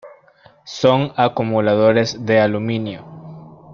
Son acumuladores de aluminio.